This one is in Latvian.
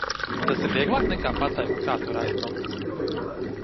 Un tas ir vieglāk nekā pateikt, kā turp aizbraukt?